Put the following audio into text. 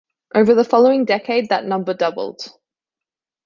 Over the following decade, that number doubled.